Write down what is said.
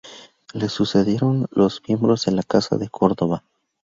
Les sucedieron los miembros de la Casa de Córdoba.